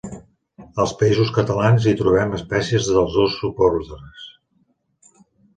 Als Països Catalans hi trobem espècies dels dos subordres.